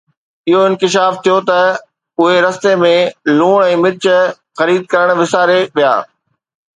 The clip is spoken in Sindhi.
اهو انڪشاف ٿيو ته اهي رستي ۾ لوڻ ۽ مرچ خريد ڪرڻ وساري ويا